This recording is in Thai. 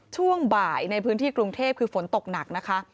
ช่วงบ่ายในพื้นที่กรุงเทพคือฝนตกหนักนะคะ